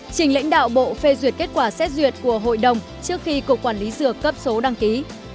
trình lãnh đạo bộ phê duyệt kết quả xét duyệt của hội đồng trước khi cục quản lý dược cấp số đăng ký